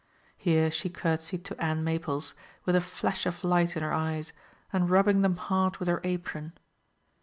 Here she curtsied to Ann Maples, with a flash of light in her eyes, and rubbing them hard with her apron.